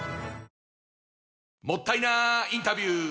もったいなインタビュー！